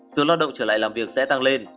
số lao động trở lại làm việc sẽ tăng lên